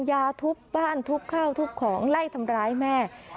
ยาทุบบ้านทุบข้าวทุบของไล่ทำร้ายแม่